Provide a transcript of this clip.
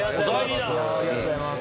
ありがとうございます。